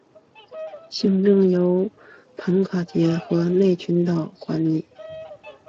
行政上由庞卡杰内和群岛县管理。